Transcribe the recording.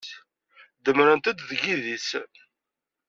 Demmrent-d deg yidis.